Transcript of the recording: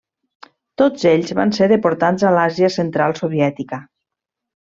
Tots ells van ser deportats a l'Àsia Central Soviètica.